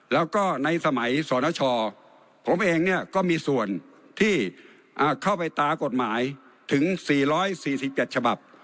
แล้วก็ในสมัยสนชผมเองเนี่ยก็มีส่วนที่เข้าไปตากฎหมายถึง๔๔๗ฉบับ